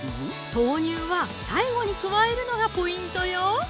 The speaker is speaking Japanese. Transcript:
豆乳は最後に加えるのがポイントよ！